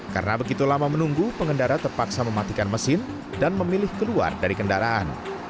karena begitu lama menunggu pengendara terpaksa mematikan mesin dan memilih keluar dari kendaraan